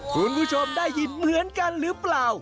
คุณผู้ชมได้ยินเหมือนกันหรือเปล่า